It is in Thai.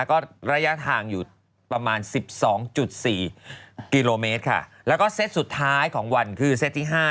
ก็ระยะทางอยู่ประมาณ๑๒๔กิโลเมตรค่ะแล้วก็เซตสุดท้ายของวันคือเซตที่๕